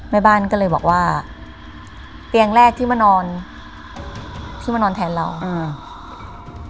แม่บ้านก็เลยบอกว่าเตียงแรกที่มานอนที่มานอนแทนเราอืม